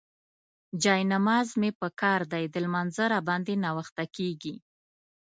جاینماز مې پکار دی، د لمانځه راباندې ناوخته کيږي.